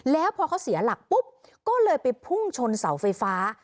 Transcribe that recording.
แล้วพอเขาเสียหลักปุ๊บก็เลยไปพุ่งชนเสาไฟฟ้า